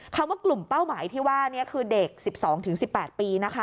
ว่ากลุ่มเป้าหมายที่ว่านี้คือเด็ก๑๒๑๘ปีนะคะ